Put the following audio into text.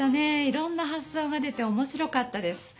いろんな発そうが出ておもしろかったです。